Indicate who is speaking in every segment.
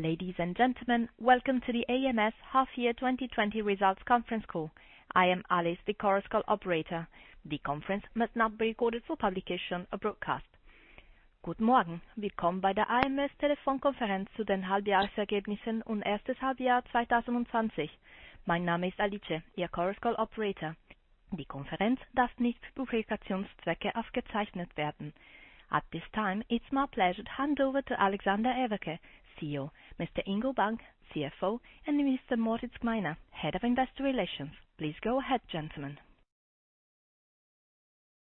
Speaker 1: Ladies and gentlemen, welcome to the ams half year 2020 results conference call. I am Alice, the conference call operator. The conference must not be recorded for publication or broadcast. At this time, it is my pleasure to hand over to Alexander Everke, Chief Executive Officer, Mr. Ingo Bank, Chief Financial Officer, and Mr. Moritz Gmeiner, Head of Investor Relations. Please go ahead, gentlemen.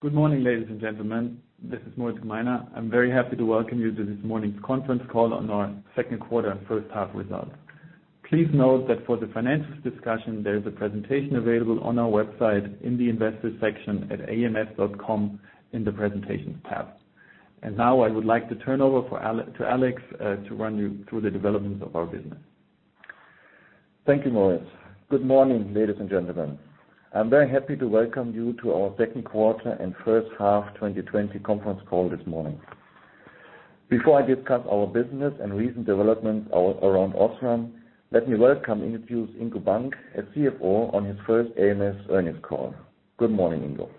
Speaker 2: Good morning, ladies and gentlemen. This is Moritz Gmeiner. I'm very happy to welcome you to this morning's conference call on our second quarter and first half results. Please note that for the financials discussion, there is a presentation available on our website in the investor section at ams.com in the presentations tab. Now I would like to turn over to Alex, to run you through the developments of our business.
Speaker 3: Thank you, Moritz. Good morning, ladies and gentlemen. I'm very happy to welcome you to our second quarter and first half 2020 conference call this morning. Before I discuss our business and recent developments around OSRAM, let me welcome and introduce Ingo Bank, as Chief Financial Officer on his first ams earnings call. Good morning, Ingo.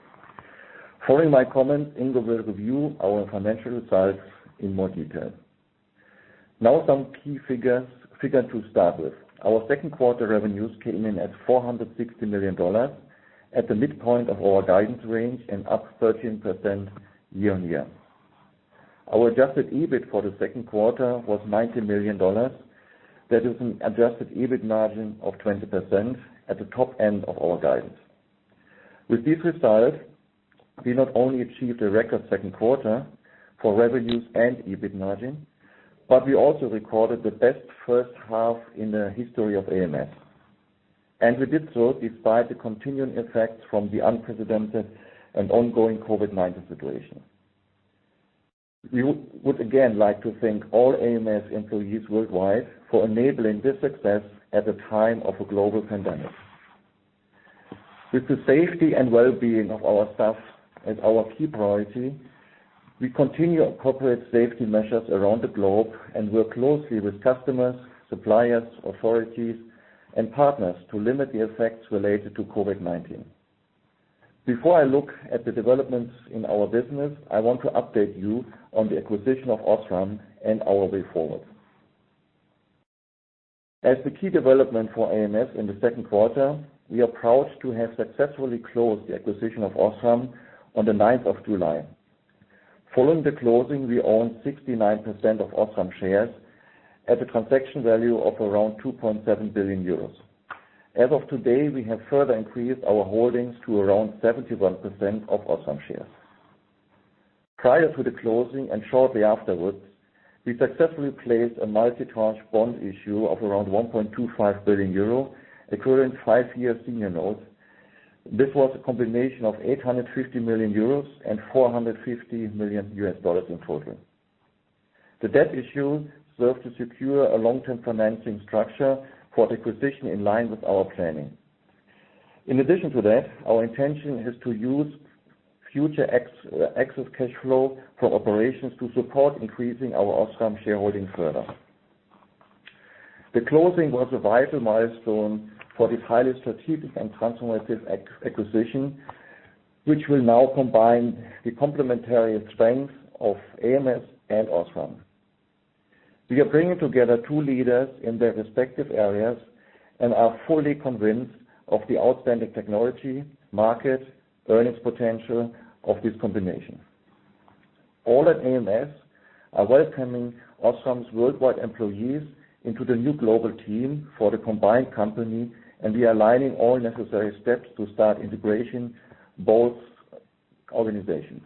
Speaker 3: Following my comments, Ingo will review our financial results in more detail. Now some key figures to start with. Our second quarter revenues came in at $460 million at the midpoint of our guidance range and up 13% year-on-year. Our adjusted EBITDA for the second quarter was $90 million. That is an adjusted EBITDA margin of 20% at the top end of our guidance. With these results, we not only achieved a record second quarter for revenues and EBITDA margin, but we also recorded the best first half in the history of ams. We did so despite the continuing effects from the unprecedented and ongoing COVID-19 situation. We would again like to thank all ams employees worldwide for enabling this success at the time of a global pandemic. With the safety and well-being of our staff as our key priority, we continue our corporate safety measures around the globe and work closely with customers, suppliers, authorities, and partners to limit the effects related to COVID-19. Before I look at the developments in our business, I want to update you on the acquisition of OSRAM and our way forward. As the key development for ams in the second quarter, we are proud to have successfully closed the acquisition of OSRAM on the 9th of July. Following the closing, we own 69% of OSRAM shares at a transaction value of around 2.7 billion euros. As of today, we have further increased our holdings to around 71% of OSRAM shares. Prior to the closing and shortly afterwards, we successfully placed a multi-tranche bond issue of around 1.25 billion euro, equivalent five-year senior notes. This was a combination of 850 million euros and $450 million in total. The debt issue served to secure a long-term financing structure for the acquisition in line with our planning. In addition to that, our intention is to use future excess cash flow from operations to support increasing our OSRAM shareholding further. The closing was a vital milestone for this highly strategic and transformative acquisition, which will now combine the complementary strength of ams and OSRAM. We are bringing together two leaders in their respective areas and are fully convinced of the outstanding technology, market, earnings potential of this combination. All at ams are welcoming OSRAM's worldwide employees into the new global team for the combined company, and we are aligning all necessary steps to start integration both organizations.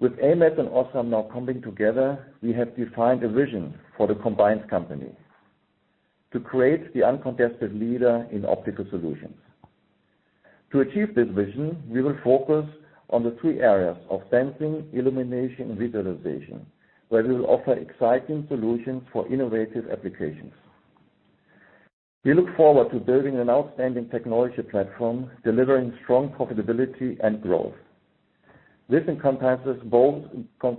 Speaker 3: With ams and OSRAM now coming together, we have defined a vision for the combined company. To create the uncontested leader in optical solutions. To achieve this vision, we will focus on the three areas of sensing, illumination, visualization, where we will offer exciting solutions for innovative applications. We look forward to building an outstanding technology platform, delivering strong profitability and growth. This encompasses both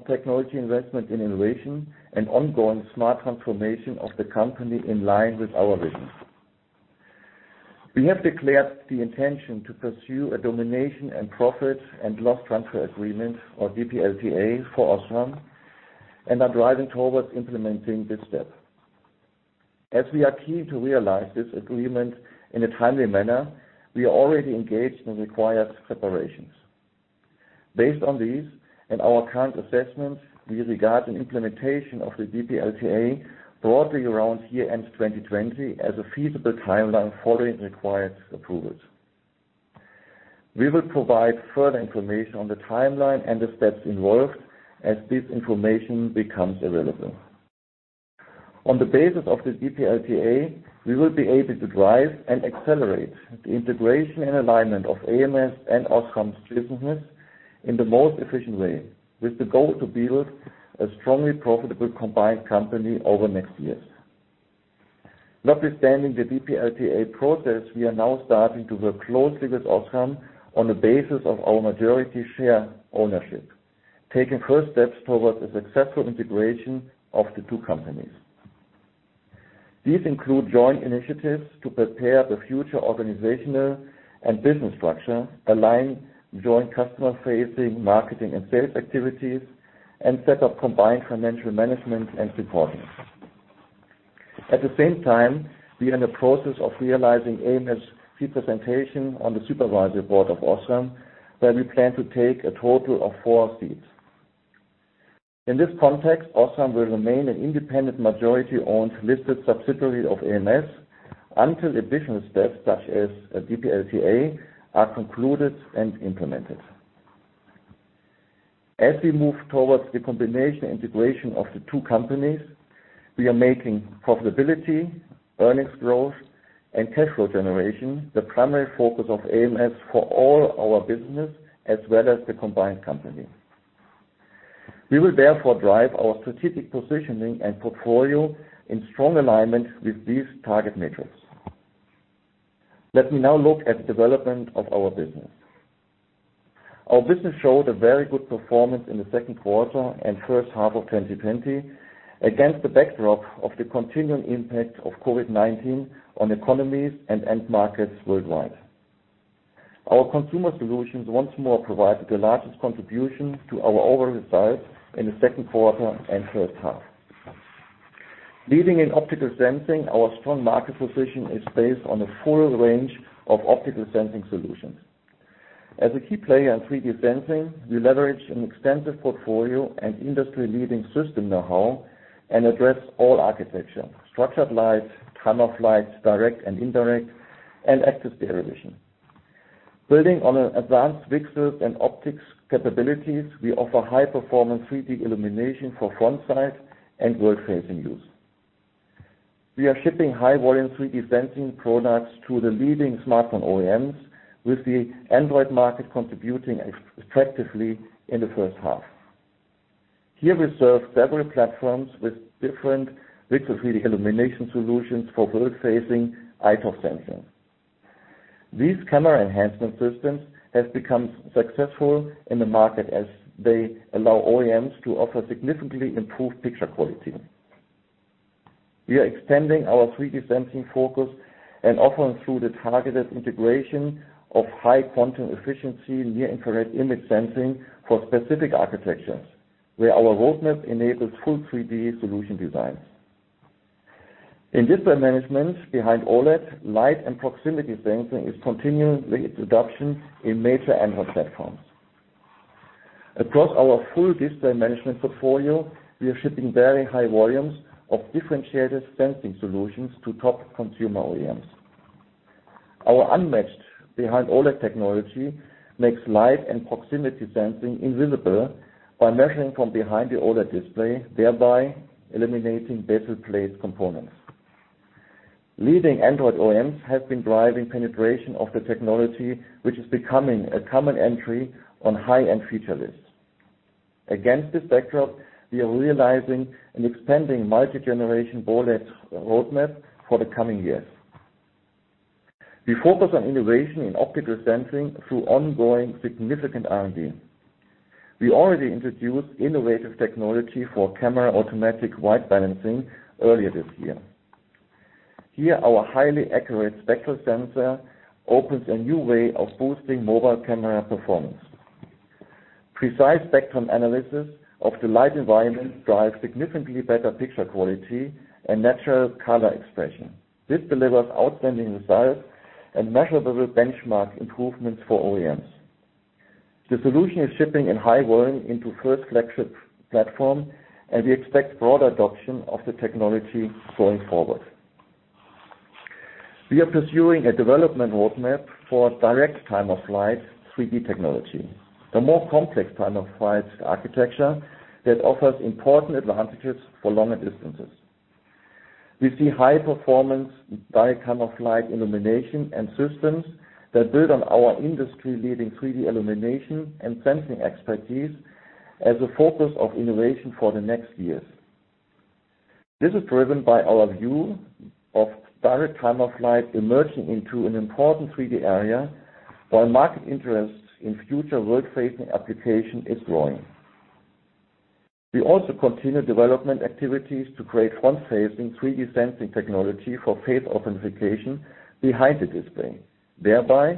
Speaker 3: technology investment in innovation and ongoing smart transformation of the company in line with our vision. We have declared the intention to pursue a domination and profit and loss transfer agreement or DPLTA for OSRAM, and are driving towards implementing this step. As we are keen to realize this agreement in a timely manner, we are already engaged in the required preparations. Based on these and our current assessments, we regard an implementation of the DPLTA broadly around year-end 2020 as a feasible timeline following required approvals. We will provide further information on the timeline and the steps involved as this information becomes available. On the basis of the DPLTA, we will be able to drive and accelerate the integration and alignment of ams and OSRAM's businesses in the most efficient way, with the goal to build a strongly profitable combined company over the next years. Notwithstanding the DPLTA process, we are now starting to work closely with OSRAM on the basis of our majority share ownership, taking first steps towards a successful integration of the two companies. These include joint initiatives to prepare the future organizational and business structure, align joint customer-facing marketing and sales activities, and set up combined financial management and reporting. At the same time, we are in the process of realizing ams' representation on the supervisory board of OSRAM, where we plan to take a total of four seats. In this context, OSRAM will remain an independent, majority-owned, listed subsidiary of ams until additional steps, such as a DPLTA, are concluded and implemented. As we move towards the combination and integration of the two companies, we are making profitability, earnings growth, and cash flow generation the primary focus of ams for all our business as well as the combined company. We will therefore drive our strategic positioning and portfolio in strong alignment with these target metrics. Let me now look at the development of our business. Our business showed a very good performance in the second quarter and first half of 2020 against the backdrop of the continuing impact of COVID-19 on economies and end markets worldwide. Our consumer solutions once more provided the largest contribution to our overall results in the second quarter and first half. Leading in optical sensing, our strong market position is based on a full range of optical sensing solutions. As a key player in 3D sensing, we leverage an extensive portfolio and industry-leading system know-how and address all architecture, structured light, time of flight, direct and indirect, and active stereo vision. Building on advanced VCSEL and optics capabilities, we offer high-performance 3D illumination for frontside and world-facing use. We are shipping high-volume 3D sensing products to the leading smartphone OEMs, with the Android market contributing effectively in the first half. Here we serve several platforms with different VCSEL 3D illumination solutions for world-facing iToF sensing. These camera enhancement systems have become successful in the market as they allow OEMs to offer significantly improved picture quality. We are extending our 3D sensing focus and offering through the targeted integration of high quantum efficiency near-infrared image sensing for specific architectures, where our roadmap enables full 3D solution designs. In display management, behind OLED, light and proximity sensing is continuing its adoption in major Android platforms. Across our full display management portfolio, we are shipping very high volumes of differentiated sensing solutions to top consumer OEMs. Our unmatched behind-OLED technology makes light and proximity sensing invisible by measuring from behind the OLED display, thereby eliminating bezel-placed components. Leading Android OEMs have been driving penetration of the technology, which is becoming a common entry on high-end feature lists. Against this backdrop, we are realizing an expanding multi-generation OLED roadmap for the coming years. We focus on innovation in optical sensing through ongoing significant R&D. We already introduced innovative technology for camera automatic white balancing earlier this year. Here, our highly accurate spectral sensor opens a new way of boosting mobile camera performance. Precise spectrum analysis of the light environment drives significantly better picture quality and natural color expression. This delivers outstanding results and measurable benchmark improvements for OEMs. The solution is shipping in high volume into first flagship platform, and we expect broader adoption of the technology going forward. We are pursuing a development roadmap for direct time of flight 3D technology, the more complex time of flight architecture that offers important advantages for longer distances. We see high-performance direct time-of-flight illumination and systems that build on our industry-leading 3D illumination and sensing expertise as a focus of innovation for the next years. This is driven by our view of direct time of flight emerging into an important 3D area while market interest in future world-facing application is growing. We also continue development activities to create front-facing 3D sensing technology for face authentication behind the display, thereby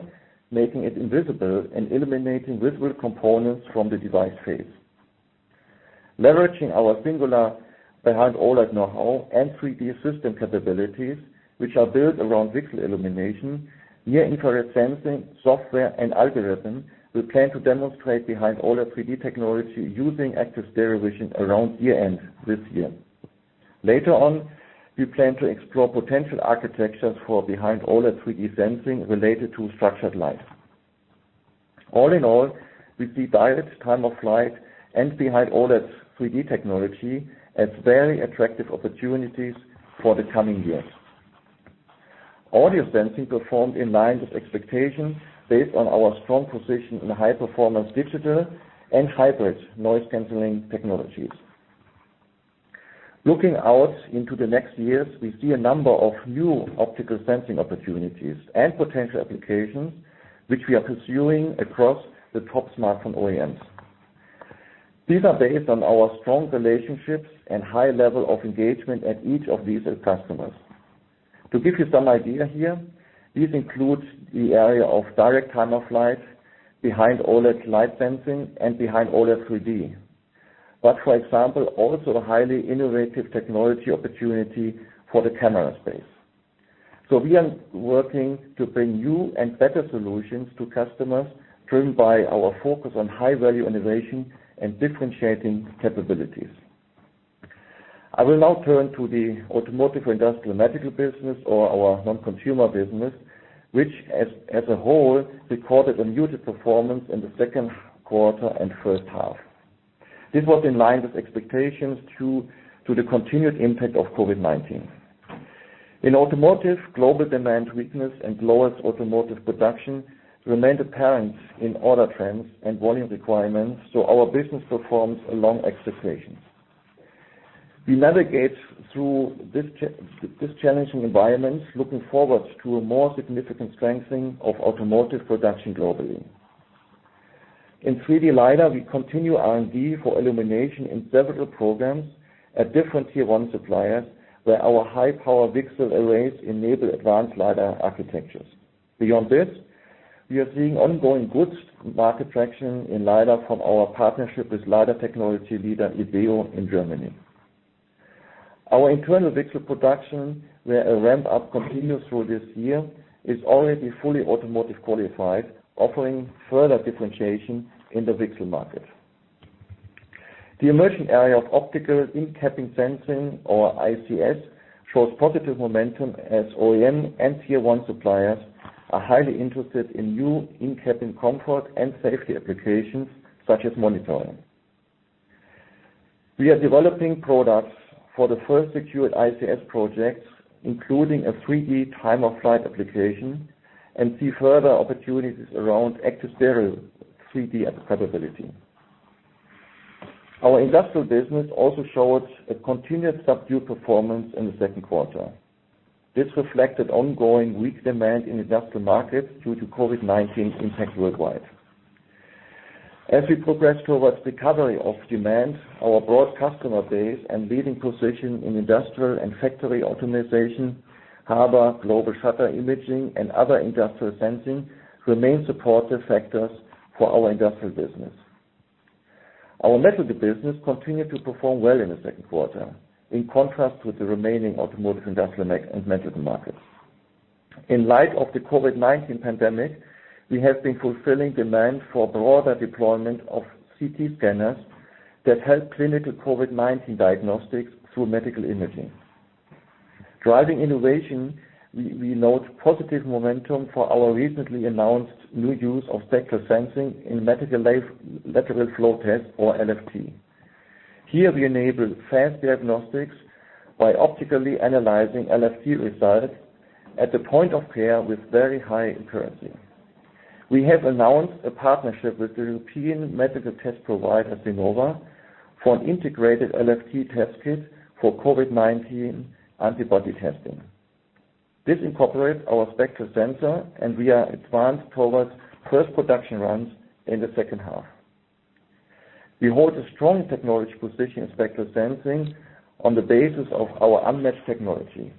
Speaker 3: making it invisible and eliminating visible components from the device face. Leveraging our singular behind-OLED know-how and 3D system capabilities, which are built around VCSEL illumination, near-infrared sensing, software, and algorithm, we plan to demonstrate behind-OLED 3D technology using active stereo vision around year-end this year. Later on, we plan to explore potential architectures for behind-OLED 3D sensing related to structured light. All in all, we see direct time-of-flight and behind OLED 3D technology as very attractive opportunities for the coming years. Audio sensing performed in line with expectations based on our strong position in high-performance digital and hybrid noise-canceling technologies. Looking out into the next years, we see a number of new optical sensing opportunities and potential applications, which we are pursuing across the top smartphone OEMs. These are based on our strong relationships and high level of engagement at each of these customers. To give you some idea here, these include the area of direct time-of-flight, behind OLED light sensing, and behind OLED 3D, for example, also the highly innovative technology opportunity for the camera space. We are working to bring new and better solutions to customers, driven by our focus on high-value innovation and differentiating capabilities. I will now turn to the automotive, industrial, and medical business, or our non-consumer business, which as a whole, recorded a muted performance in the second quarter and first half. This was in line with expectations due to the continued impact of COVID-19. In automotive, global demand weakness and lowest automotive production remained apparent in order trends and volume requirements. Our business performs along expectations. We navigate through this challenging environment, looking forward to a more significant strengthening of automotive production globally. In 3D LiDAR, we continue R&D for illumination in several programs at different tier 1 suppliers, where our high-power VCSEL arrays enable advanced LiDAR architectures. Beyond this, we are seeing ongoing good market traction in LiDAR from our partnership with LiDAR technology leader, Ibeo in Germany. Our internal VCSEL production, where a ramp-up continues through this year, is already fully automotive qualified, offering further differentiation in the VCSEL market. The emerging area of optical in-cabin sensing, or ICS, shows positive momentum as OEM and tier one suppliers are highly interested in new in-cabin comfort and safety applications, such as monitoring. We are developing products for the first secured ICS projects, including a 3D time-of-flight application, and see further opportunities around exterior 3D capability. Our industrial business also showed a continued subdued performance in the second quarter. This reflected ongoing weak demand in industrial markets due to COVID-19 impact worldwide. As we progress towards recovery of demand, our broad customer base and leading position in industrial and factory optimization, HABA, global shutter imaging, and other industrial sensing remain supportive factors for our industrial business. Our medical business continued to perform well in the second quarter, in contrast with the remaining automotive, industrial, and medical markets. In light of the COVID-19 pandemic, we have been fulfilling demand for broader deployment of CT scanners that help clinical COVID-19 diagnostics through medical imaging. Driving innovation, we note positive momentum for our recently announced new use of spectral sensing in medical lateral flow test or LFT. Here, we enable fast diagnostics by optically analyzing LFT results at the point of care with very high accuracy. We have announced a partnership with the European medical test provider, Senova, for an integrated LFT test kit for COVID-19 antibody testing. This incorporates our spectral sensor, and we are advanced towards first production runs in the second half. We hold a strong technology position in spectral sensing on the basis of our unmatched technology.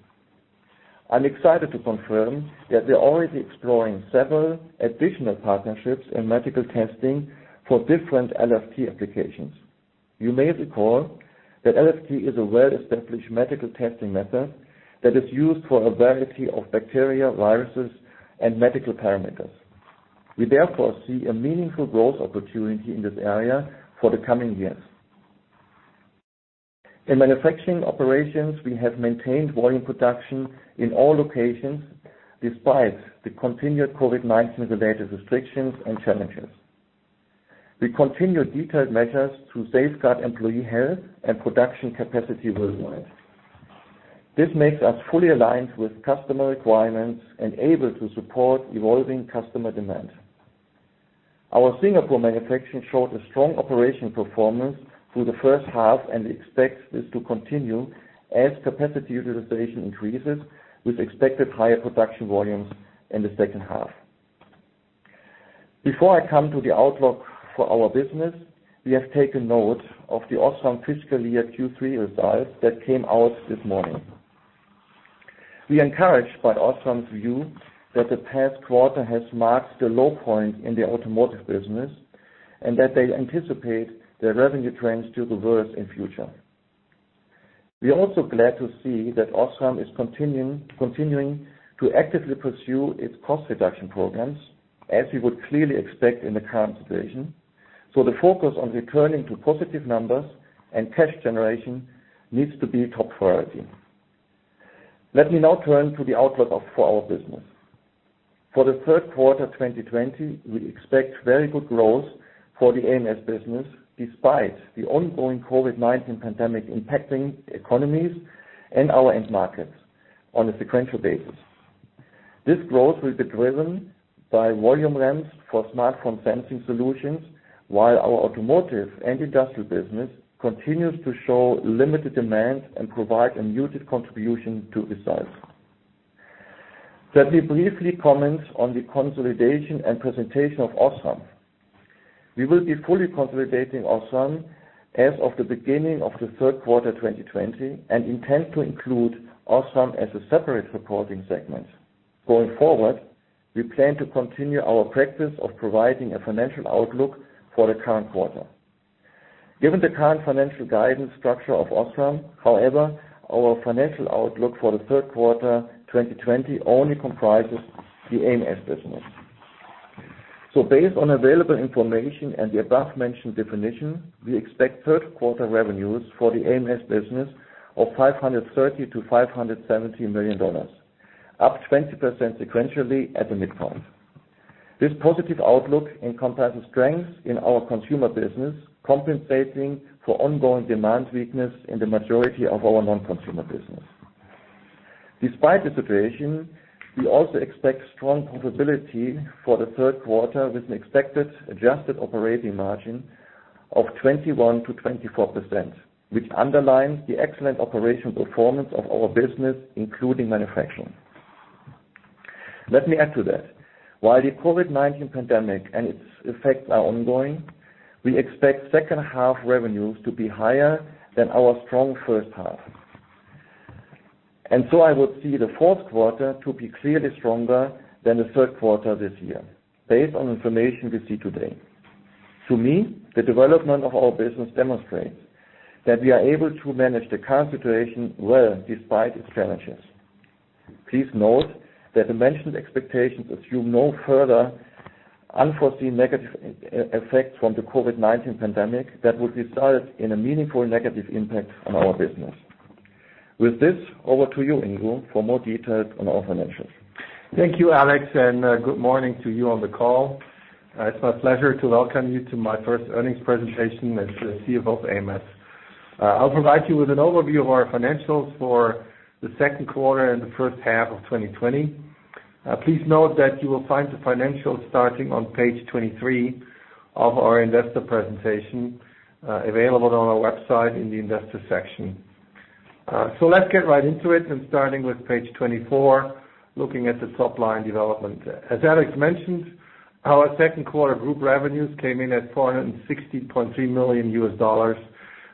Speaker 3: I'm excited to confirm that we're already exploring several additional partnerships in medical testing for different LFT applications. You may recall that LFT is a well-established medical testing method that is used for a variety of bacteria, viruses, and medical parameters. We therefore see a meaningful growth opportunity in this area for the coming years. In manufacturing operations, we have maintained volume production in all locations despite the continued COVID-19 related restrictions and challenges. We continue detailed measures to safeguard employee health and production capacity worldwide. This makes us fully aligned with customer requirements and able to support evolving customer demand. Our Singapore manufacturing showed a strong operation performance through the first half and expects this to continue as capacity utilization increases with expected higher production volumes in the second half. Before I come to the outlook for our business, we have taken note of the OSRAM fiscal year Q3 results that came out this morning. We are encouraged by OSRAM's view that the past quarter has marked the low point in the automotive business, and that they anticipate their revenue trends to reverse in future. We are also glad to see that OSRAM is continuing to actively pursue its cost reduction programs, as we would clearly expect in the current situation. The focus on returning to positive numbers and cash generation needs to be top priority. Let me now turn to the outlook for our business. For the third quarter 2020, we expect very good growth for the ams business, despite the ongoing COVID-19 pandemic impacting economies and our end markets on a sequential basis. This growth will be driven by volume ramps for smartphone sensing solutions, while our automotive and industrial business continues to show limited demand and provide a muted contribution to results. Let me briefly comment on the consolidation and presentation of OSRAM. We will be fully consolidating OSRAM as of the beginning of the third quarter 2020 and intend to include OSRAM as a separate reporting segment. Going forward, we plan to continue our practice of providing a financial outlook for the current quarter. Given the current financial guidance structure of OSRAM, however, our financial outlook for the third quarter 2020 only comprises the ams business. Based on available information and the above-mentioned definition, we expect third-quarter revenues for the ams business of $530 million-$570 million, up 20% sequentially at the midpoint. This positive outlook encompasses strengths in our consumer business, compensating for ongoing demand weakness in the majority of our non-consumer business. Despite the situation, we also expect strong profitability for the third quarter with an expected adjusted operating margin of 21%-24%, which underlines the excellent operational performance of our business, including manufacturing. Let me add to that. While the COVID-19 pandemic and its effects are ongoing, we expect second-half revenues to be higher than our strong first half. I would see the fourth quarter to be clearly stronger than the third quarter this year based on information we see today. To me, the development of our business demonstrates that we are able to manage the current situation well despite its challenges. Please note that the mentioned expectations assume no further unforeseen negative effects from the COVID-19 pandemic that would result in a meaningful negative impact on our business. With this, over to you, Ingo, for more details on our financials.
Speaker 4: Thank you, Alex. Good morning to you on the call. It's my pleasure to welcome you to my first earnings presentation as the Chief Financial Officer of ams. I'll provide you with an overview of our financials for the second quarter and the first half of 2020. Please note that you will find the financials starting on page 23 of our investor presentation, available on our website in the Investors section. Let's get right into it and starting with page 24, looking at the top-line development. As Alex mentioned, our second quarter group revenues came in at $460.3 million,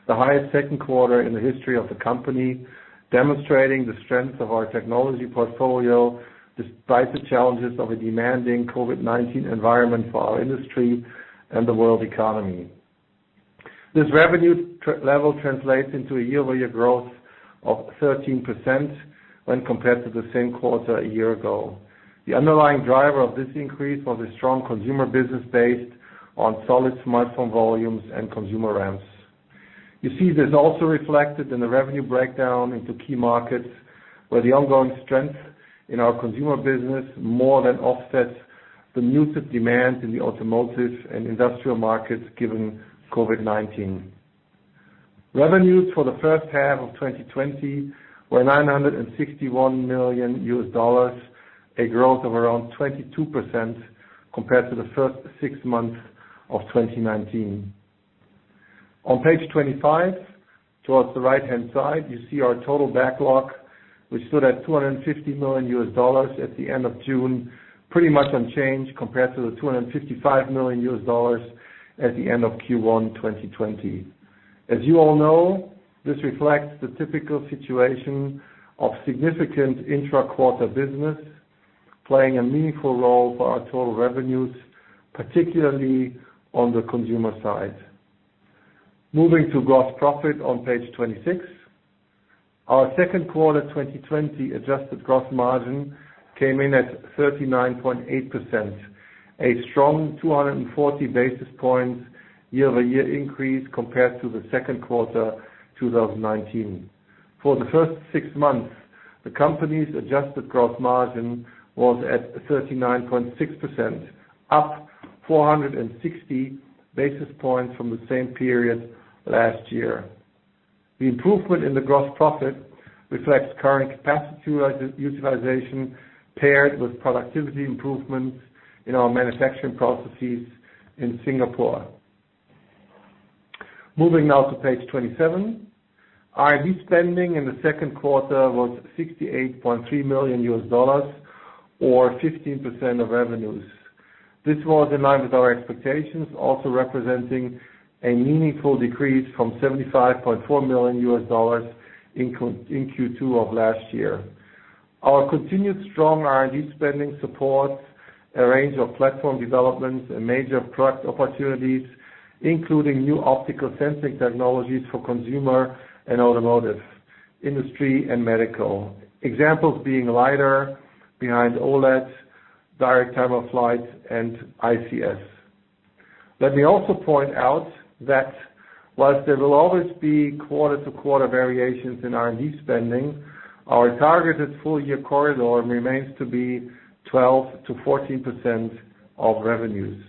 Speaker 4: the highest second quarter in the history of the company, demonstrating the strength of our technology portfolio despite the challenges of a demanding COVID-19 environment for our industry and the world economy. This revenue level translates into a year-over-year growth of 13% when compared to the same quarter a year ago. The underlying driver of this increase was a strong consumer business based on solid smartphone volumes and consumer ramps. You see this also reflected in the revenue breakdown into key markets, where the ongoing strength in our consumer business more than offsets the muted demand in the automotive and industrial markets given COVID-19. Revenues for the first half of 2020 were $961 million US, a growth of around 22% compared to the first six months of 2019. On page 25, towards the right-hand side, you see our total backlog, which stood at $250 million at the end of June, pretty much unchanged compared to the $255 million at the end of Q1 2020. As you all know, this reflects the typical situation of significant intra-quarter business playing a meaningful role for our total revenues, particularly on the consumer side. Moving to gross profit on page 26. Our second quarter 2020 adjusted gross margin came in at 39.8%, a strong 240 basis points year-over-year increase compared to the second quarter 2019. For the first six months, the company's adjusted gross margin was at 39.6%, up 460 basis points from the same period last year. The improvement in the gross profit reflects current capacity utilization paired with productivity improvements in our manufacturing processes in Singapore. Moving now to page 27. R&D spending in the second quarter was $68.3 million, or 15% of revenues. This was in line with our expectations, also representing a meaningful decrease from $75.4 million in Q2 of last year. Our continued strong R&D spending supports a range of platform developments and major product opportunities, including new optical sensing technologies for consumer and automotive industry and medical. Examples being LiDAR, behind OLED, direct time-of-flight, and ICS. Let me also point out that while there will always be quarter-to-quarter variations in R&D spending, our targeted full-year corridor remains to be 12%-14% of revenues.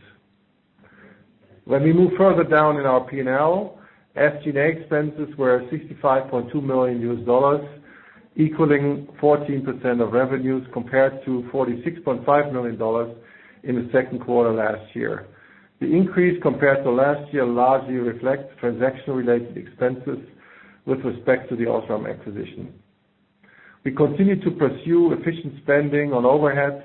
Speaker 4: When we move further down in our P&L, SG&A expenses were $65.2 million, equaling 14% of revenues, compared to $46.5 million in the second quarter last year. The increase compared to last year largely reflects transaction-related expenses with respect to the Osram acquisition. We continue to pursue efficient spending on overheads,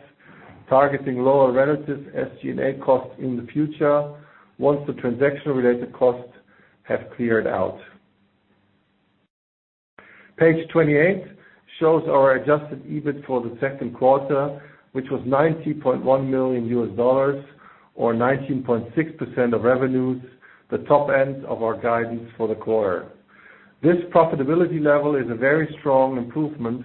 Speaker 4: targeting lower relative SG&A costs in the future once the transaction-related costs have cleared out. Page 28 shows our adjusted EBITDA for the second quarter, which was $90.1 million, or 19.6% of revenues, the top end of our guidance for the quarter. This profitability level is a very strong improvement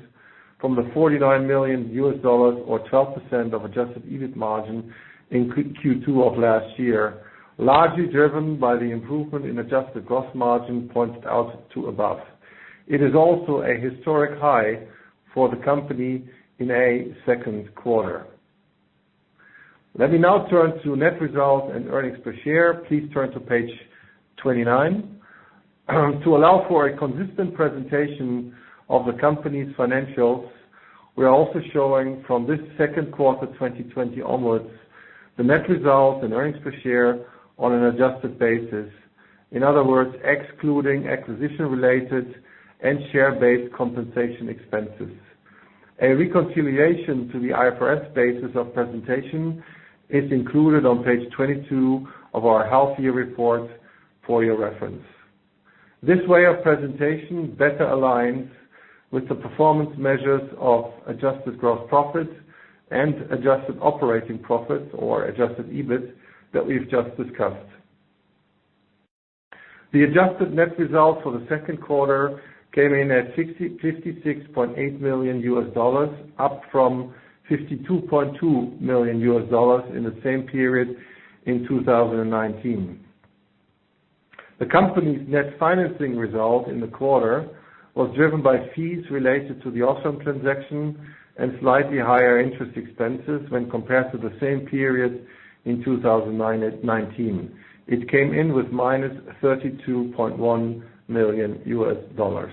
Speaker 4: from the EUR 49 million, or 12%, of adjusted EBITDA margin in Q2 of last year, largely driven by the improvement in adjusted gross margin pointed out above. It is also a historic high for the company in a second quarter. Let me now turn to net results and earnings per share. Please turn to page 29. To allow for a consistent presentation of the company's financials, we are also showing from this second quarter 2020 onwards the net results and earnings per share on an adjusted basis. In other words, excluding acquisition-related and share-based compensation expenses. A reconciliation to the IFRS basis of presentation is included on page 22 of our half-year report for your reference. This way of presentation better aligns with the performance measures of adjusted gross profit and adjusted operating profit or adjusted EBITDA that we've just discussed. The adjusted net result for the second quarter came in at $56.8 million, up from $52.2 million in the same period in 2019. The company's net financing result in the quarter was driven by fees related to the OSRAM transaction and slightly higher interest expenses when compared to the same period in 2019. It came in with -$32.1 million.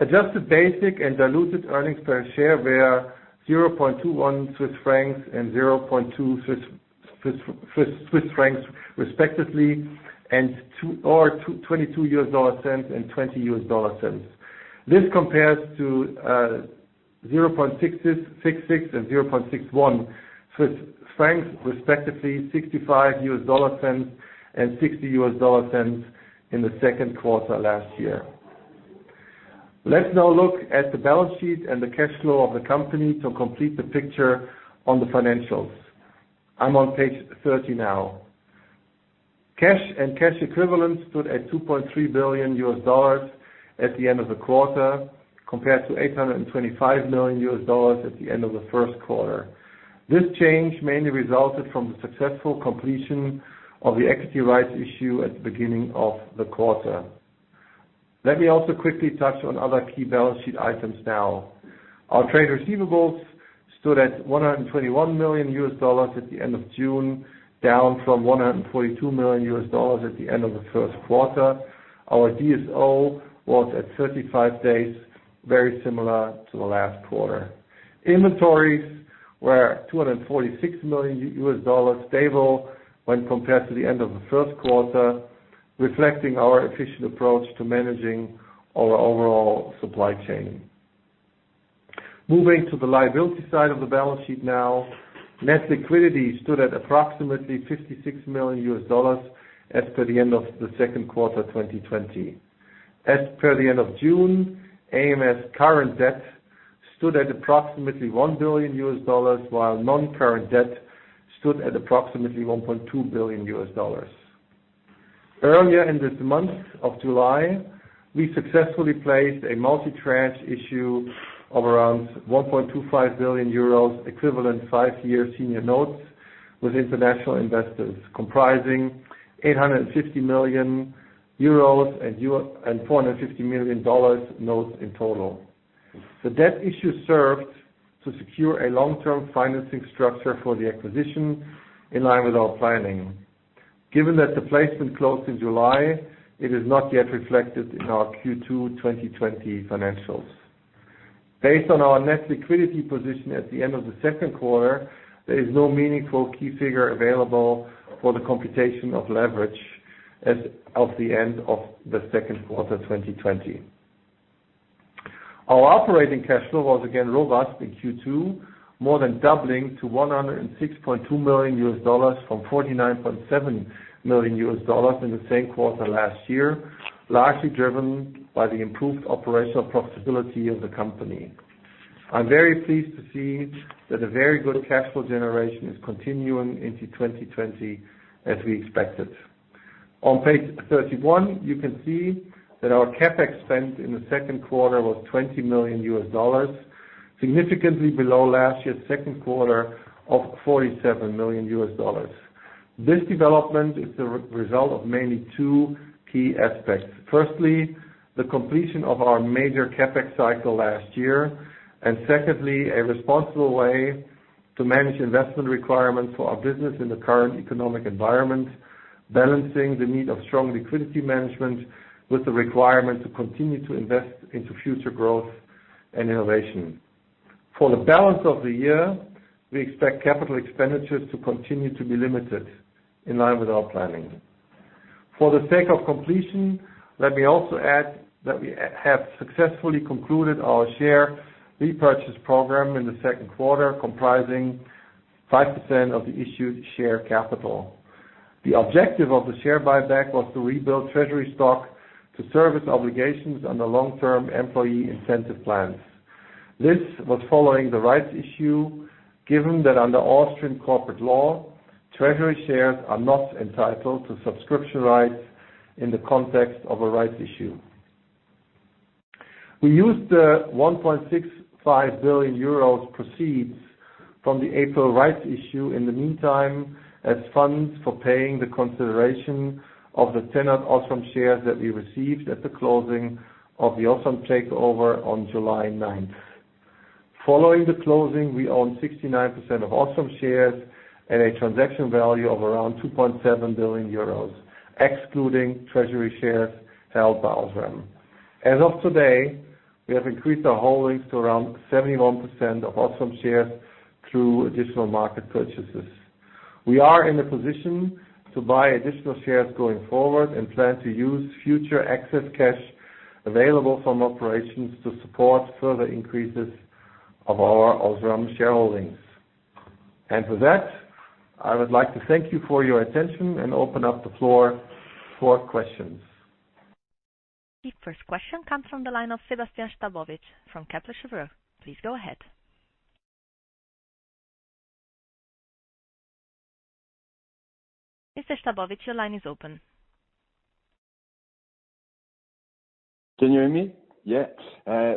Speaker 4: Adjusted basic and diluted earnings per share were 0.21 Swiss francs and 0.2 Swiss francs respectively, or $0.22 and $0.20. This compares to 0.66 and 0.61 Swiss francs respectively, $0.65 and $0.60 in the second quarter last year. Let's now look at the balance sheet and the cash flow of the company to complete the picture on the financials. I'm on page 30 now. Cash and cash equivalents stood at $2.3 billion at the end of the quarter, compared to $825 million at the end of the first quarter. This change mainly resulted from the successful completion of the equity rights issue at the beginning of the quarter. Let me also quickly touch on other key balance sheet items now. Our trade receivables stood at $121 million at the end of June, down from $142 million at the end of the first quarter. Our DSO was at 35 days, very similar to the last quarter. Inventories were $246 million, stable when compared to the end of the first quarter, reflecting our efficient approach to managing our overall supply chain. Moving to the liability side of the balance sheet now. Net liquidity stood at approximately $56 million as per the end of the second quarter 2020. As per the end of June, ams current debt stood at approximately $1 billion, while non-current debt stood at approximately $1.2 billion. Earlier in this month of July, we successfully placed a multi-tranche issue of around 1.25 billion euros equivalent five-year senior notes with international investors, comprising 850 million euros and $450 million notes in total. The debt issue served to secure a long-term financing structure for the acquisition in line with our planning. Given that the placement closed in July, it is not yet reflected in our Q2 2020 financials. Based on our net liquidity position at the end of the second quarter, there is no meaningful key figure available for the computation of leverage as of the end of the second quarter 2020. Our operating cash flow was again robust in Q2, more than doubling to $106.2 million from $49.7 million in the same quarter last year, largely driven by the improved operational profitability of the company. I'm very pleased to see that a very good cash flow generation is continuing into 2020 as we expected. On page 31, you can see that our CapEx spend in the second quarter was $20 million, significantly below last year's second quarter of $47 million. This development is the result of mainly two key aspects. Firstly, the completion of our major CapEx cycle last year, and secondly, a responsible way to manage investment requirements for our business in the current economic environment, balancing the need of strong liquidity management with the requirement to continue to invest into future growth and innovation. For the balance of the year, we expect capital expenditures to continue to be limited in line with our planning. For the sake of completion, let me also add that we have successfully concluded our share repurchase program in the second quarter, comprising 5% of the issued share capital. The objective of the share buyback was to rebuild treasury stock to service obligations under long-term employee incentive plans. This was following the rights issue, given that under Austrian corporate law, treasury shares are not entitled to subscription rights in the context of a rights issue. We used the 1.65 billion euros proceeds from the April rights issue, in the meantime, as funds for paying the consideration of the tendered OSRAM shares that we received at the closing of the OSRAM takeover on July 9th. Following the closing, we own 69% of OSRAM shares at a transaction value of around 2.7 billion euros, excluding treasury shares held by OSRAM. As of today, we have increased our holdings to around 71% of OSRAM shares through additional market purchases. We are in the position to buy additional share going forward and plan to use future excess cash available from operations to support further increases of our OSRAM shareholdings. With that, I would like to thank you for your attention and open up the floor for questions.
Speaker 1: The first question comes from the line of Sebastien Sztabowicz from Kepler Cheuvreux. Please go ahead. Mr. Sztabowicz, your line is open.
Speaker 5: Can you hear me?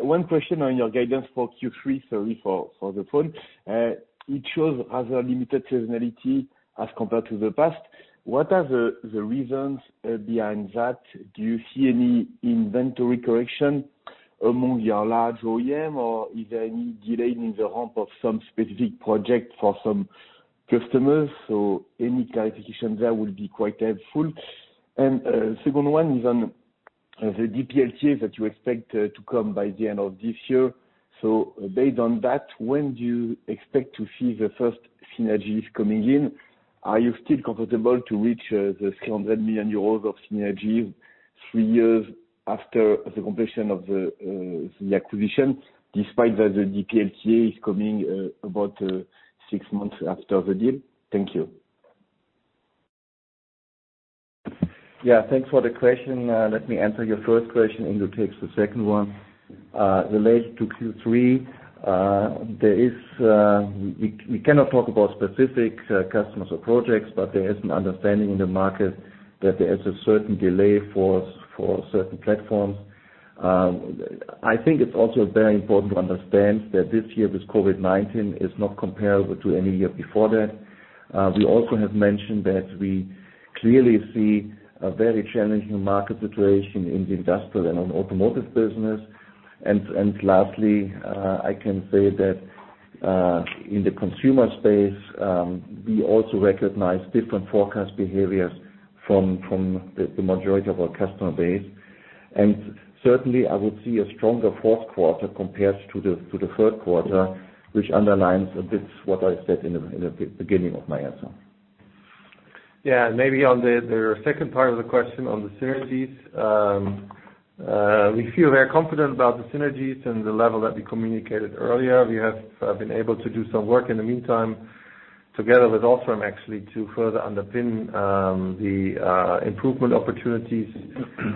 Speaker 5: One question on your guidance for Q3, sorry for the phone. It shows as a limited seasonality as compared to the past. What are the reasons behind that? Do you see any inventory correction among your large OEM, or is there any delay in the ramp of some specific project for some customers? Any clarification there would be quite helpful. Second one is on the DPLTA that you expect to come by the end of this year. Based on that, when do you expect to see the first synergies coming in? Are you still comfortable to reach the 300 million euros of synergies three years after the completion of the acquisition, despite that the DPLTA is coming about six months after the deal? Thank you.
Speaker 3: Yeah. Thanks for the question. Let me answer your first question, Ingo takes the second one. Related to Q3, we cannot talk about specific customers or projects, but there is an understanding in the market that there is a certain delay for certain platforms. I think it's also very important to understand that this year with COVID-19 is not comparable to any year before that. We also have mentioned that we clearly see a very challenging market situation in the industrial and on automotive business. Lastly, I can say that in the consumer space, we also recognize different forecast behaviors from the majority of our customer base. Certainly, I would see a stronger fourth quarter compared to the third quarter, which underlines this, what I said in the beginning of my answer.
Speaker 4: Yeah. Maybe on the second part of the question on the synergies. We feel very confident about the synergies and the level that we communicated earlier. We have been able to do some work in the meantime together with OSRAM actually, to further underpin the improvement opportunities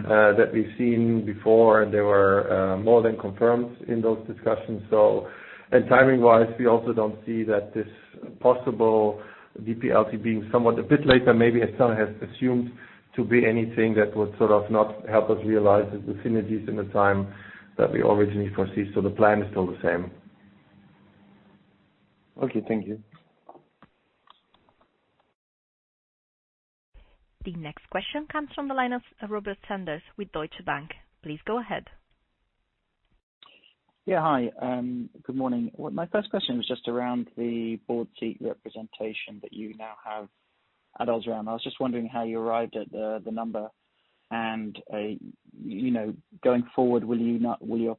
Speaker 4: that we've seen before. They were more than confirmed in those discussions. Timing-wise, we also don't see that this possible DPLTA being somewhat a bit later, maybe as some has assumed to be anything that would sort of not help us realize the synergies in the time that we originally foresee. The plan is still the same.
Speaker 5: Okay. Thank you.
Speaker 1: The next question comes from the line of Robert Sanders with Deutsche Bank. Please go ahead.
Speaker 6: Yeah. Hi. Good morning. My first question was just around the board seat representation that you now have at OSRAM. I was just wondering how you arrived at the number and, going forward, will you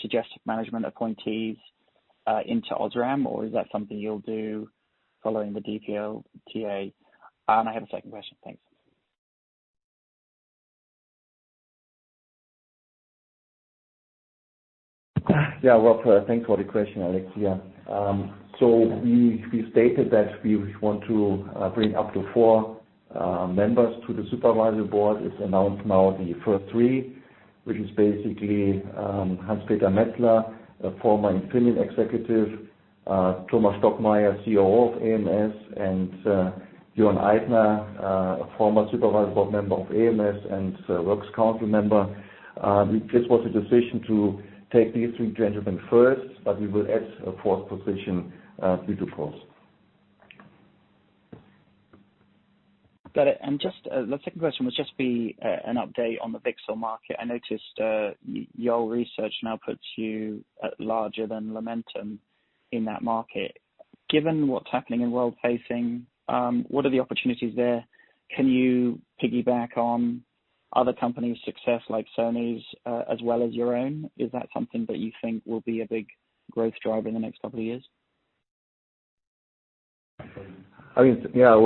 Speaker 6: suggest management appointees into OSRAM, or is that something you'll do following the DPLTA? I have a second question. Thanks.
Speaker 3: Yeah, Robert, thanks for the question. Alex, yeah. We stated that we want to bring up to four members to the supervisory board. It's announced now the first three, which is basically Hans-Peter Metzler, a former Infineon executive. Thomas Stockmeier, Chief Operating Officer of ams, and Jochen Eitner, former supervisory board member of ams and works council member. This was a decision to take these three gentlemen first, but we will add a fourth position due course.
Speaker 6: Got it. The second question will just be an update on the VCSEL market. I noticed your research now puts you at larger than Lumentum in that market. Given what's happening in world-facing, what are the opportunities there? Can you piggyback on other companies' success like Sony's, as well as your own? Is that something that you think will be a big growth driver in the next couple of years?
Speaker 3: Well,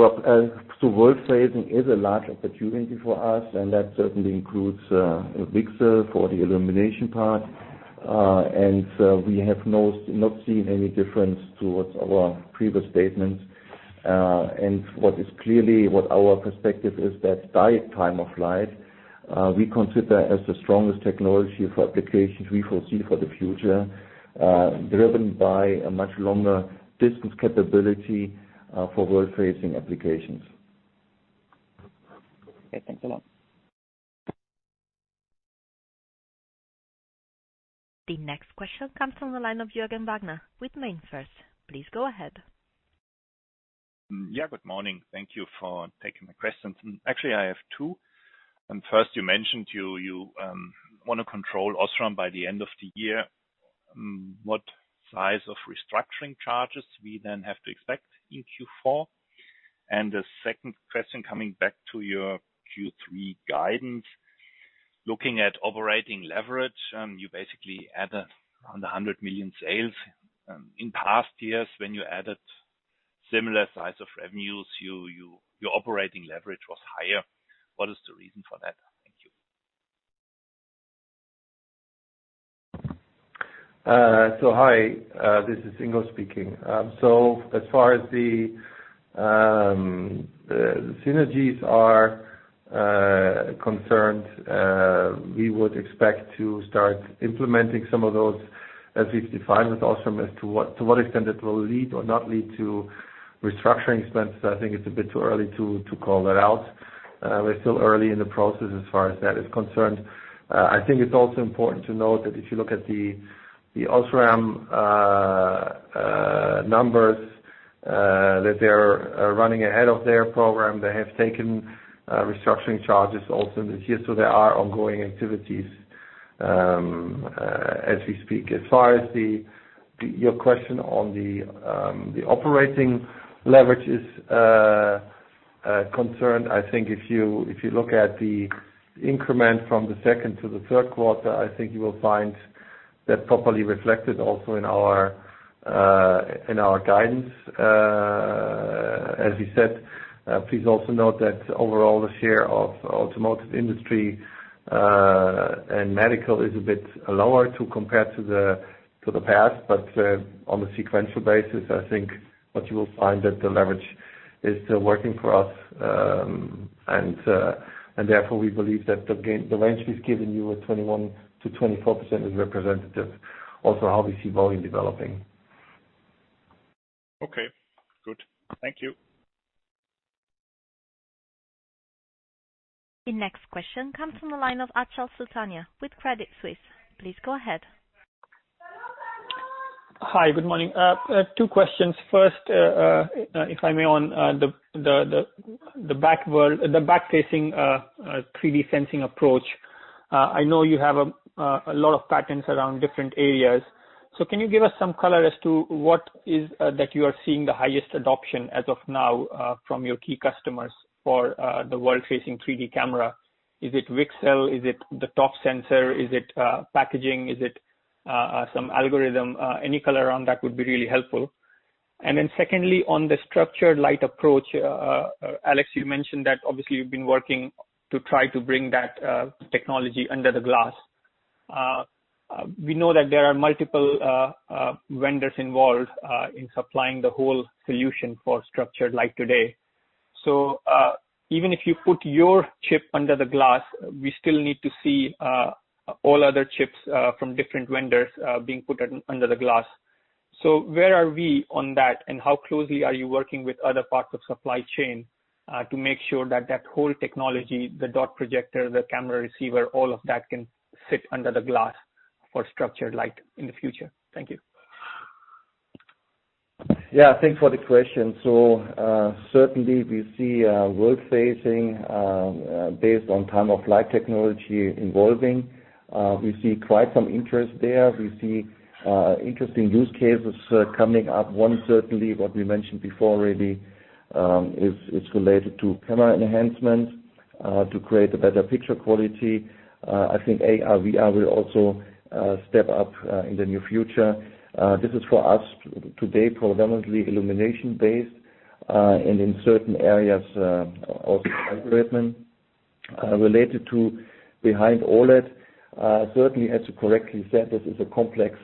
Speaker 3: world-facing is a large opportunity for us, and that certainly includes VCSEL for the illumination part. We have not seen any difference towards our previous statements. What is clearly our perspective is that direct time-of-flight, we consider as the strongest technology for applications we foresee for the future, driven by a much longer distance capability for world-facing applications.
Speaker 6: Okay, thanks a lot.
Speaker 1: The next question comes from the line of Jürgen Wagner with MainFirst. Please go ahead.
Speaker 7: Yeah, good morning. Thank you for taking my questions. Actually, I have two. First, you mentioned you want to control OSRAM by the end of the year. What size of restructuring charges we then have to expect in Q4? The second question, coming back to your Q3 guidance, looking at operating leverage, you basically add around 100 million sales. In past years, when you added similar size of revenues, your operating leverage was higher. What is the reason for that? Thank you.
Speaker 4: Hi. This is Ingo speaking. As far as the synergies are concerned, we would expect to start implementing some of those as we define with OSRAM. As to what extent it will lead or not lead to restructuring expense, I think it's a bit too early to call that out. We're still early in the process as far as that is concerned. I think it's also important to note that if you look at the OSRAM numbers, that they're running ahead of their program. They have taken restructuring charges also this year. There are ongoing activities as we speak. As far as your question on the operating leverage is concerned, I think if you look at the increment from the second to the third quarter, I think you will find that properly reflected also in our guidance. As you said, please also note that overall, the share of automotive industry and medical is a bit lower compared to the past. On a sequential basis, I think what you will find that the leverage is still working for us. Therefore, we believe that the range we've given you of 21%-24% is representative, also how we see volume developing.
Speaker 7: Okay, good. Thank you.
Speaker 1: The next question comes from the line of Achal Sultania with Credit Suisse. Please go ahead.
Speaker 8: Hi, good morning. Two questions. First, if I may, on the back-facing 3D sensing approach. I know you have a lot of patents around different areas. Can you give us some color as to what is that you are seeing the highest adoption as of now from your key customers for the world-facing 3D camera? Is it VCSEL? Is it the ToF sensor? Is it packaging? Is it some algorithm? Any color around that would be really helpful. Secondly, on the structured light approach, Alex, you mentioned that obviously you've been working to try to bring that technology under the glass. We know that there are multiple vendors involved in supplying the whole solution for structured light today. Even if you put your chip under the glass, we still need to see all other chips from different vendors being put under the glass. Where are we on that, and how closely are you working with other parts of supply chain to make sure that that whole technology, the dot projector, the camera receiver, all of that can sit under the glass for structured light in the future? Thank you.
Speaker 3: Yeah. Thanks for the question. Certainly we see world-facing based on time-of-flight technology evolving. We see quite some interest there. We see interesting use cases coming up. One, certainly what we mentioned before already, is related to camera enhancements to create a better picture quality. I think AR/VR will also step up in the near future. This is for us today, predominantly illumination-based, and in certain areas, also algorithm related to behind OLED. Certainly, as you correctly said, this is a complex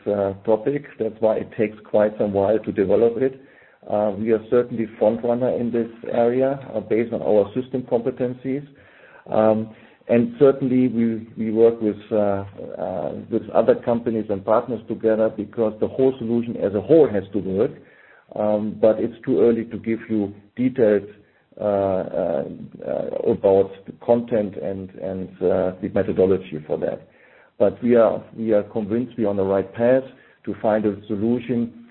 Speaker 3: topic. That's why it takes quite some while to develop it. We are certainly front runner in this area based on our system competencies. Certainly, we work with other companies and partners together because the whole solution as a whole has to work. It's too early to give you details about the content and the methodology for that. We are convinced we are on the right path to find a solution,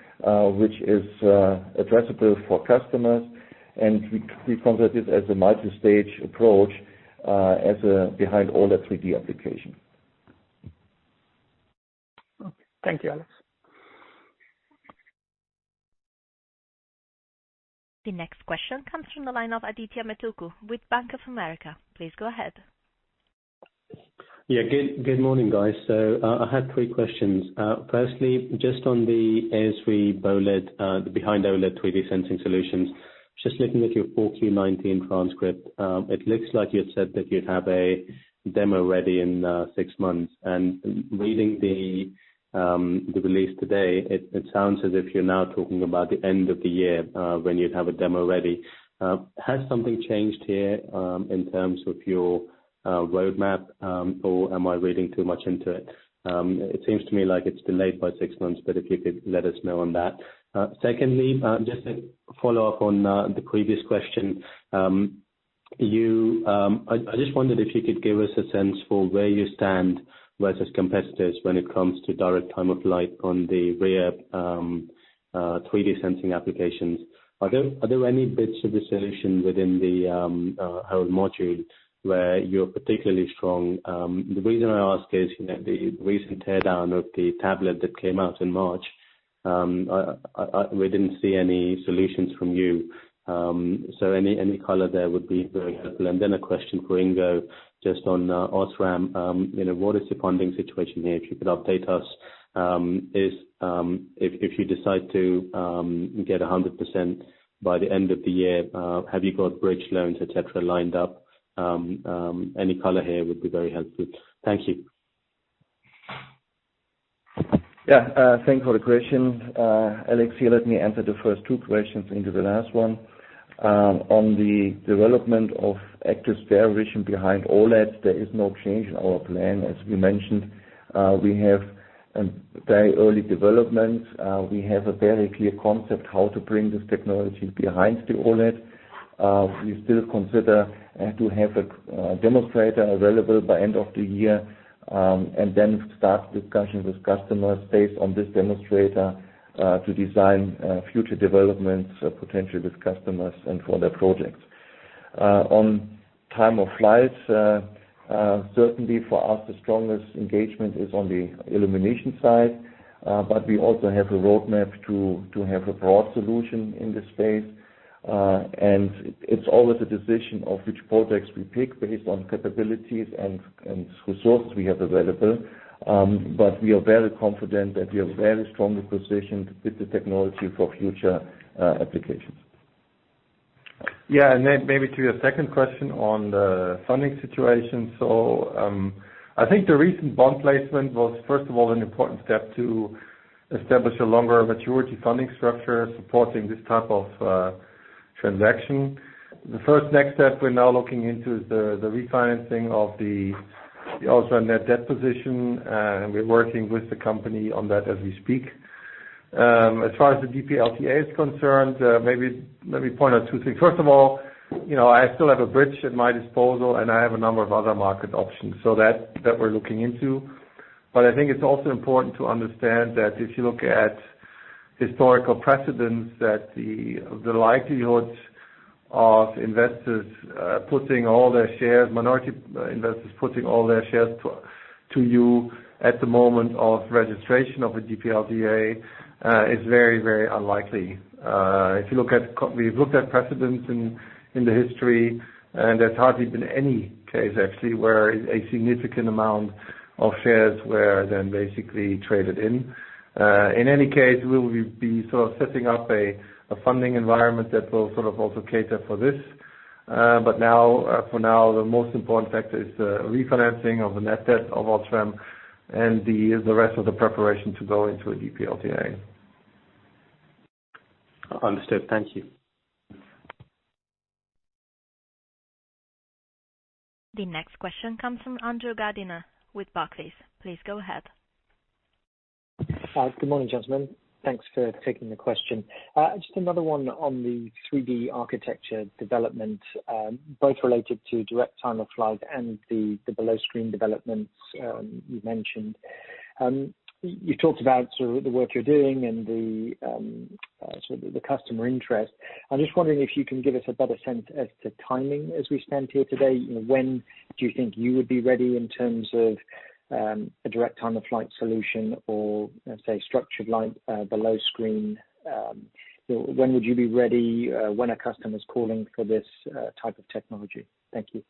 Speaker 3: which is addressable for customers, and we convert it as a multi-stage approach behind all the 3D application.
Speaker 8: Okay. Thank you, Alex.
Speaker 1: The next question comes from the line of Adithya Metuku with Bank of America. Please go ahead.
Speaker 9: Good morning, guys. I have three questions. Firstly, just on the ASV behind OLED 3D sensing solutions. Just looking at your 4Q 2019 transcript, it looks like you had said that you'd have a demo ready in six months. Reading the release today, it sounds as if you're now talking about the end of the year, when you'd have a demo ready. Has something changed here, in terms of your roadmap, or am I reading too much into it? It seems to me like it's delayed by six months, if you could let us know on that. Secondly, just a follow-up on the previous question. I just wondered if you could give us a sense for where you stand versus competitors when it comes to direct time-of-flight on the rear 3D sensing applications. Are there any bits of the solution within the module where you're particularly strong? The reason I ask is, the recent teardown of the tablet that came out in March, we didn't see any solutions from you. Any color there would be very helpful. A question for Ingo, just on OSRAM. What is the funding situation here? If you could update us. If you decide to get 100% by the end of the year, have you got bridge loans, et cetera, lined up? Any color here would be very helpful. Thank you.
Speaker 3: Yeah. Thanks for the question. Alex, here, let me answer the first two questions and give the last one. On the development of active stereo vision behind OLEDs, there is no change in our plan. As we mentioned, we have a very early development. We have a very clear concept how to bring this technology behind the OLED. We still consider to have a demonstrator available by end of the year, and then start discussions with customers based on this demonstrator, to design future developments potentially with customers and for their projects. On time of flights, certainly for us, the strongest engagement is on the illumination side. We also have a roadmap to have a broad solution in this space. It's always a decision of which projects we pick based on capabilities and resources we have available. We are very confident that we are very strongly positioned with the technology for future applications.
Speaker 4: Yeah, maybe to your second question on the funding situation. I think the recent bond placement was, first of all, an important step to establish a longer maturity funding structure supporting this type of transaction. The first next step we're now looking into is the refinancing of the OSRAM net debt position. We're working with the company on that as we speak. As far as the DPLTA is concerned, maybe let me point out two things. First of all, I still have a bridge at my disposal, and I have a number of other market options that we're looking into. I think it's also important to understand that if you look at historical precedents, that the likelihood of minority investors putting all their shares to you at the moment of registration of a DPLTA, is very unlikely. If we look at precedents in the history, there's hardly been any case actually, where a significant amount of shares were then basically traded in. In any case, we will be sort of setting up a funding environment that will also cater for this. For now, the most important factor is the refinancing of the net debt of OSRAM and the rest of the preparation to go into a DPLTA.
Speaker 9: Understood. Thank you.
Speaker 1: The next question comes from Andrew Gardiner with Barclays. Please go ahead.
Speaker 10: Good morning, gentlemen. Thanks for taking the question. Just another one on the 3D architecture development, both related to direct time of flight and the below screen developments you mentioned. You talked about sort of the work you're doing and the customer interest. I'm just wondering if you can give us a better sense as to timing as we stand here today. When do you think you would be ready in terms of a direct time of flight solution or, say structured light below screen? When would you be ready when a customer's calling for this type of technology? Thank you.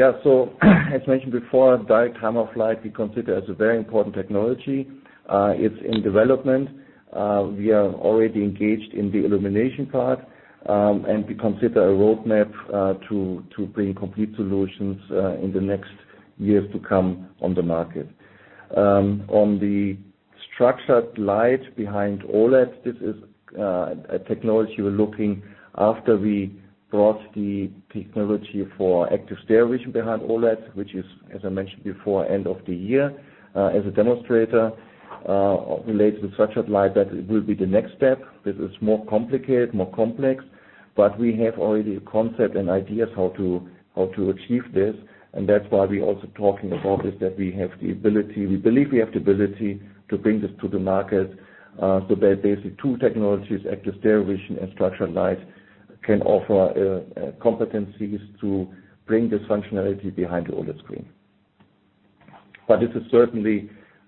Speaker 3: As mentioned before, direct time-of-flight we consider as a very important technology. It's in development. We are already engaged in the illumination part. We consider a roadmap to bring complete solutions in the next years to come on the market. On the structured light behind OLED, this is a technology we're looking after we brought the technology for active stereo vision behind OLED, which is, as I mentioned before, end of the year, as a demonstrator. Related with structured light, that will be the next step. This is more complicated, more complex. We have already a concept and ideas how to achieve this, and that's why we're also talking about this, that we believe we have the ability to bring this to the market. There are basically two technologies, active stereo vision and structured light, can offer competencies to bring this functionality behind the OLED screen.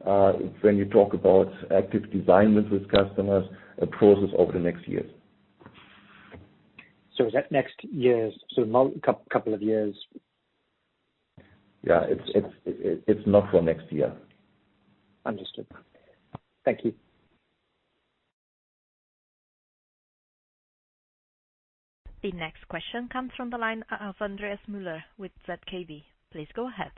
Speaker 3: This is certainly, when you talk about active design with these customers, a process over the next years.
Speaker 10: Is that next years to couple of years?
Speaker 3: Yeah. It's not for next year.
Speaker 10: Understood. Thank you.
Speaker 1: The next question comes from the line of Andreas Müller with ZKB. Please go ahead.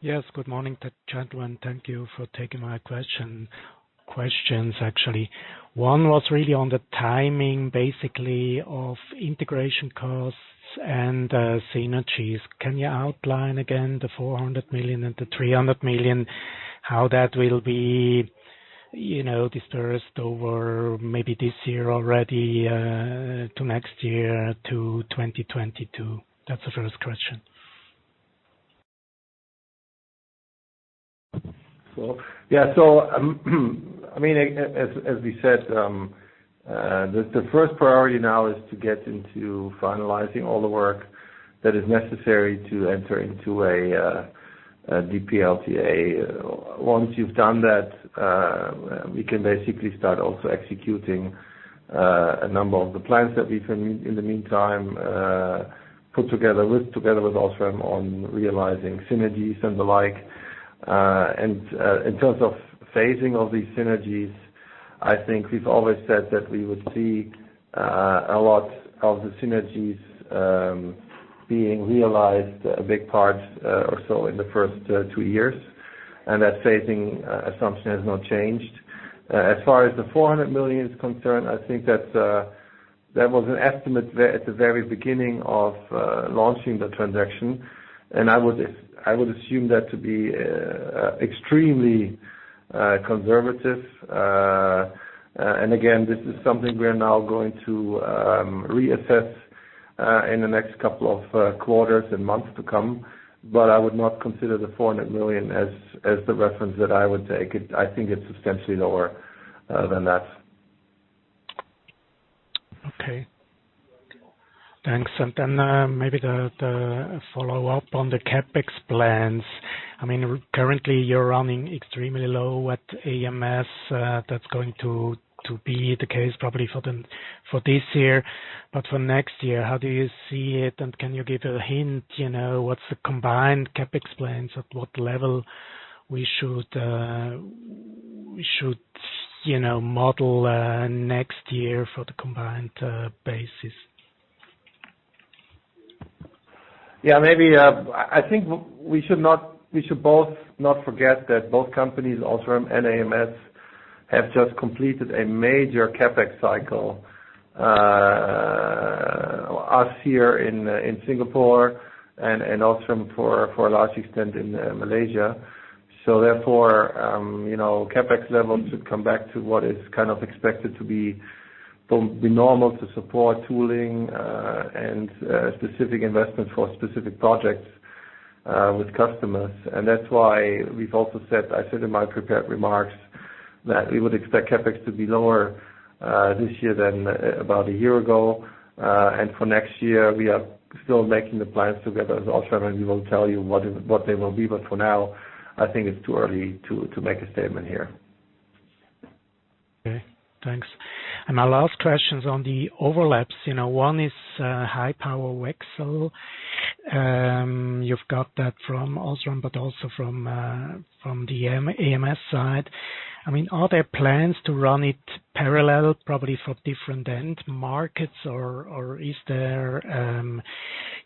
Speaker 11: Yes. Good morning, gentlemen. Thank you for taking my questions. One was really on the timing, basically of integration costs and synergies. Can you outline again the 400 million and the 300 million, how that will be dispersed over maybe this year already to next year to 2022? That's the first question.
Speaker 4: As we said, the first priority now is to get into finalizing all the work that is necessary to enter into a DPLTA. Once you've done that, we can basically start also executing a number of the plans that we've, in the meantime, put together with OSRAM on realizing synergies and the like. In terms of phasing of these synergies, I think we've always said that we would see a lot of the synergies being realized, a big part or so in the first two years, and that phasing assumption has not changed. As far as the 400 million is concerned, I think that was an estimate at the very beginning of launching the transaction. I would assume that to be extremely conservative. Again, this is something we are now going to reassess in the next couple of quarters and months to come. I would not consider the 400 million as the reference that I would take. I think it's substantially lower than that.
Speaker 11: Okay. Thanks. Maybe the follow-up on the CapEx plans. Currently you're running extremely low at ams. That's going to be the case probably for this year. For next year, how do you see it, and can you give a hint, what's the combined CapEx plans, at what level we should model next year for the combined basis?
Speaker 4: Yeah. I think we should both not forget that both companies, OSRAM and ams, have just completed a major CapEx cycle. Us here in Singapore and OSRAM for a large extent in Malaysia. Therefore, CapEx levels should come back to what is kind of expected to be normal to support tooling, and specific investments for specific projects with customers. That's why we've also said, I said in my prepared remarks that we would expect CapEx to be lower this year than about a year ago. For next year, we are still making the plans together with OSRAM, and we will tell you what they will be. For now, I think it's too early to make a statement here.
Speaker 11: Okay, thanks. My last question is on the overlaps. One is high power VCSEL. You've got that from OSRAM, but also from the ams side. Are there plans to run it parallel, probably for different end markets? Do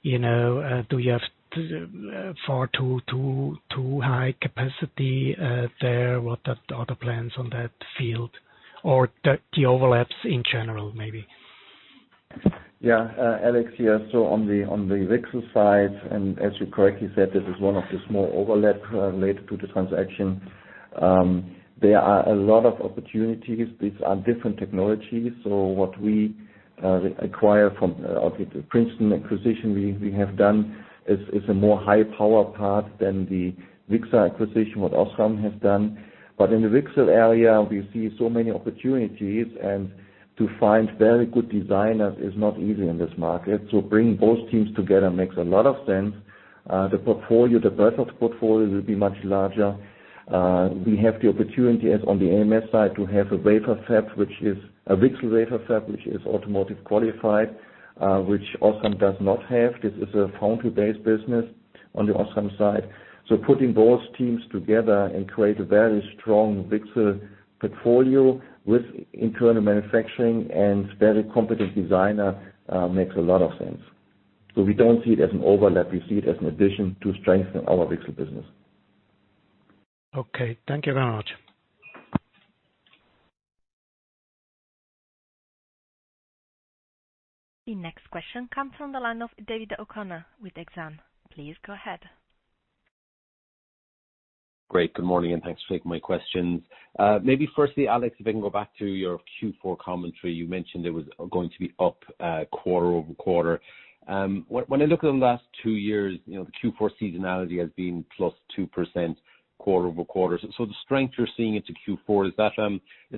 Speaker 11: you have far too high capacity there? What are the plans on that field or the overlaps in general, maybe?
Speaker 3: Yeah. Alex here. On the VCSEL side, and as you correctly said, this is one of the small overlaps related to the transaction. There are a lot of opportunities. These are different technologies. What we acquire from the Princeton acquisition we have done is a more high power path than the VCSEL acquisition what OSRAM has done. In the VCSEL area, we see so many opportunities, and to find very good designers is not easy in this market. Bringing both teams together makes a lot of sense. The breadth of the portfolio will be much larger. We have the opportunity on the ams side to have a VCSEL wafer fab, which is automotive qualified, which OSRAM does not have. This is a foundry-based business on the OSRAM side. Putting both teams together and create a very strong VCSEL portfolio with internal manufacturing and very competent designer, makes a lot of sense. We don't see it as an overlap. We see it as an addition to strengthen our VCSEL business.
Speaker 11: Okay. Thank you very much.
Speaker 1: The next question comes from the line of David O'Connor with Exane. Please go ahead.
Speaker 12: Great. Good morning. Thanks for taking my questions. Maybe firstly, Alex, if I can go back to your Q4 commentary. You mentioned it was going to be up quarter-over-quarter. When I look at the last two years, the Q4 seasonality has been +2% quarter-over-quarter. The strength you're seeing into Q4, is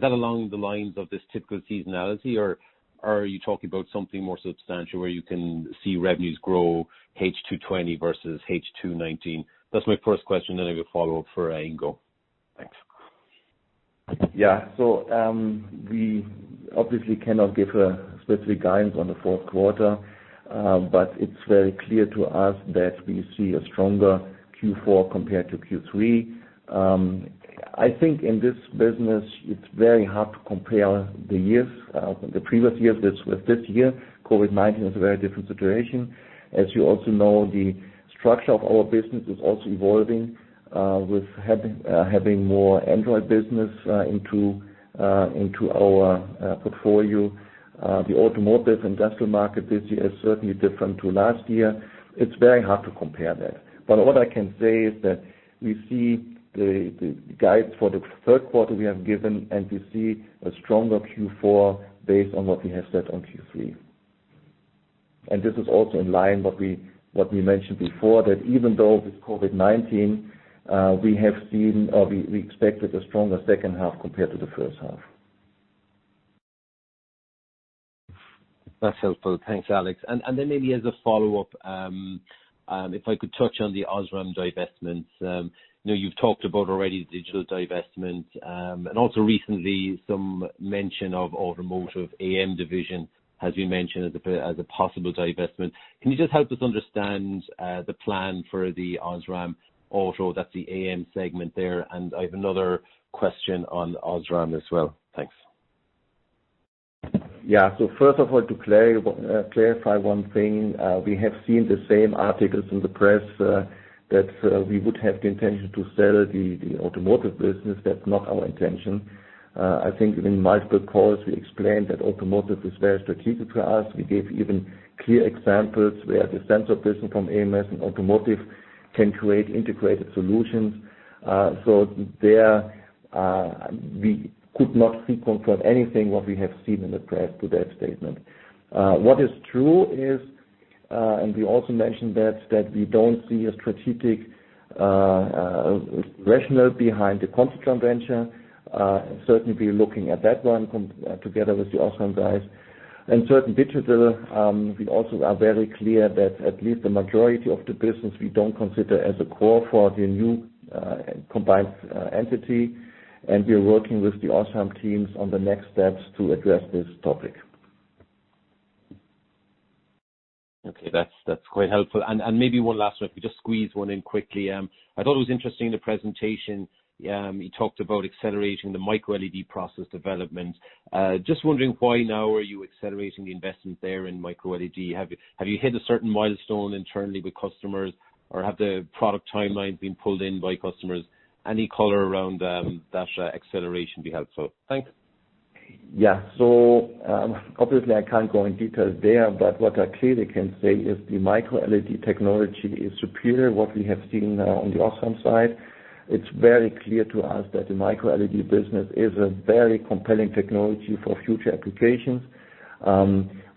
Speaker 12: that along the lines of this typical seasonality, or are you talking about something more substantial where you can see revenues grow H2 2020 versus H2 2019? That's my first question, then I have a follow-up for Ingo. Thanks.
Speaker 3: Yeah. We obviously cannot give a specific guidance on the fourth quarter. It's very clear to us that we see a stronger Q4 compared to Q3. I think in this business, it's very hard to compare the previous years with this year. COVID-19 is a very different situation. As you also know, the structure of our business is also evolving, with having more Android business into our portfolio. The automotive industrial market this year is certainly different to last year. It's very hard to compare that. What I can say is that we see the guide for the third quarter we have given, and we see a stronger Q4 based on what we have said on Q3. This is also in line what we mentioned before, that even though with COVID-19, we expected a stronger second half compared to the first half.
Speaker 12: That's helpful. Thanks, Alex. Then maybe as a follow-up, if I could touch on the Osram divestments. I know you've talked about already the Digital divestment. Also recently, some mention of OSRAM Automotive AM division has been mentioned as a possible divestment. Can you just help us understand the plan for the OSRAM Automotive? That's the AM segment there, I have another question on OSRAM as well. Thanks.
Speaker 3: Yeah. First of all, to clarify one thing, we have seen the same articles in the press that we would have the intention to sell the automotive business. That's not our intention. I think in multiple calls, we explained that automotive is very strategic to us. We gave even clear examples where the sensor business from ams and automotive can create integrated solutions. There, we could not pre-confirm anything what we have seen in the press to that statement. What is true is, and we also mentioned that we don't see a strategic rationale behind the Continental venture. Certainly, we're looking at that one together with the Osram guys. Certain Digital, we also are very clear that at least the majority of the business we don't consider as a core for the new combined entity. We are working with the OSRAM teams on the next steps to address this topic.
Speaker 12: Okay. That's quite helpful. Maybe one last one, if we just squeeze one in quickly. I thought it was interesting in the presentation, you talked about accelerating the micro LED process development. Just wondering why now are you accelerating the investment there in micro LED? Have you hit a certain milestone internally with customers, or have the product timelines been pulled in by customers? Any color around that acceleration would be helpful. Thanks.
Speaker 3: Obviously I can't go in details there, but what I clearly can say is the micro LED technology is superior what we have seen now on the OSRAM side. It's very clear to us that the micro LED business is a very compelling technology for future applications.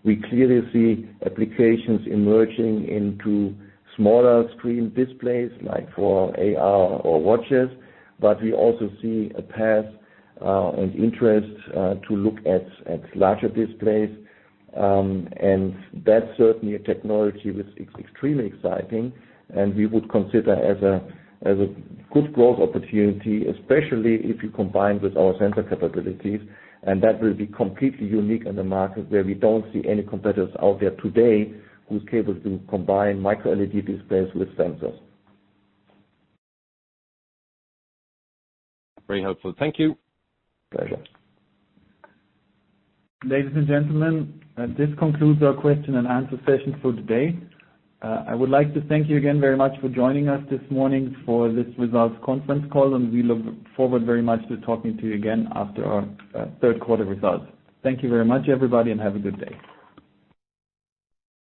Speaker 3: We clearly see applications emerging into smaller screen displays, like for AR or watches. We also see a path and interest to look at larger displays. That's certainly a technology which is extremely exciting and we would consider as a good growth opportunity, especially if you combine with our sensor capabilities. That will be completely unique in the market, where we don't see any competitors out there today who's capable to combine micro LED displays with sensors.
Speaker 12: Very helpful. Thank you.
Speaker 3: Pleasure.
Speaker 2: Ladies and gentlemen, this concludes our question and answer session for today. I would like to thank you again very much for joining us this morning for this results conference call, and we look forward very much to talking to you again after our third quarter results. Thank you very much, everybody, and have a good day.